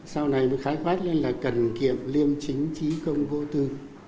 sau này mới khái quát lên là cần kiệm liêm chính trí công vô tư